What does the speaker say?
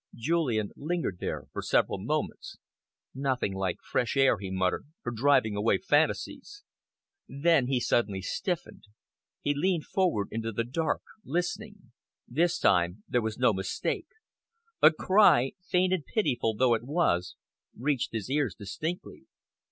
Julian lingered there for several moments. "Nothing like fresh air," he muttered, "for driving away fancies." Then he suddenly stiffened. He leaned forward into the dark, listening. This time there was no mistake. A cry, faint and pitiful though it was, reached his ears distinctly.